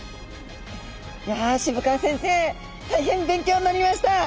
いや渋川先生大変勉強になりました！